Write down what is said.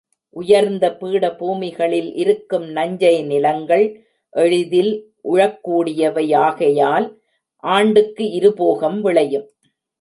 உயர்ந்த பீடபூமிகளில் இருக்கும் நஞ்சை நிலங்கள் எளிதில் உழக் கூடியவை யாகையால் ஆண்டுக்கு இருபோகம் விளையும்.